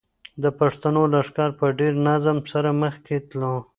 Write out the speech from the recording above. د پښتنو لښکر په ډېر نظم سره مخکې تلو.